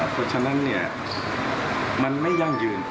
เพราะฉะนั้นมันไม่ยั่งยืน